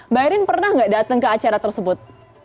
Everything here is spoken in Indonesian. mbak erin pernah nggak datang ke acara tersebut